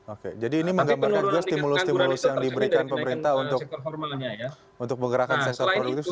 oke jadi ini menggambarkan juga stimulus stimulus yang diberikan pemerintah untuk menggerakkan sektor produktif